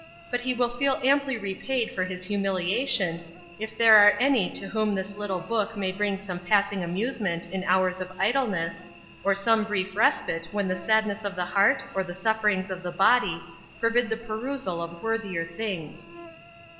But he will feel amply repaid for his humiliation if there are any to whom this little book may bring some passing amusement in hours of idleness, or some brief respite when the sadness of the heart or the sufferings of the body forbid the perusal of worthier things.